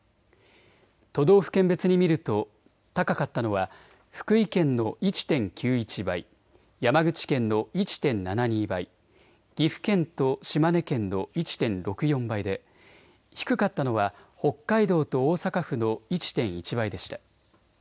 都道府県別に見ると高かったのは福井県の１．９１倍、山口県の１．７２倍、岐阜県と島根県の１．６４倍で低かったのは北海道と大阪府の１．１倍でした。